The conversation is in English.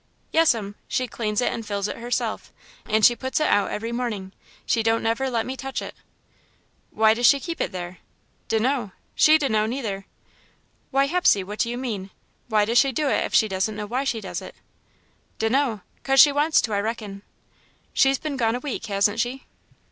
"Yes'm. She cleans it and fills it herself, and she puts it out every morning. She don't never let me touch it." "Why does she keep it there?" "D' know. She d' know, neither." "Why, Hepsey, what do you mean? Why does she do it if she doesn't know why she does it?" "D'know.'Cause she wants to, I reckon." "She's been gone a week, hasn't she?"